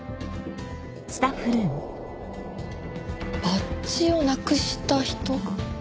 バッジをなくした人？